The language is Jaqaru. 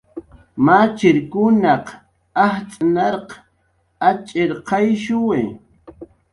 Machirkunaq ajtz' narq atx'irqayshuwi.